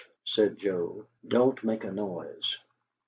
said Joe. "Don't make a noise!"